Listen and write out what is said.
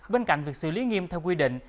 bên cạnh việc xử lý nghiêm theo quy định